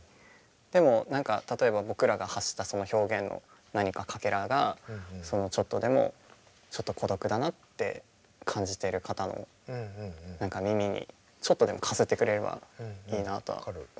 でも何か例えば僕らが発したその表現の何かかけらがそのちょっとでもちょっと孤独だなって感じてる方の耳にちょっとでもかすってくれればいいなとは思いますね。